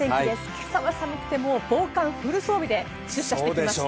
今朝は寒くて防寒フル装備で出社してきました。